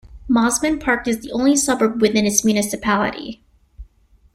Mosman Park is the only suburb within this municipality.